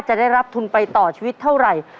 จะได้รับทุนไปต่อชีวิตเท่าไหร่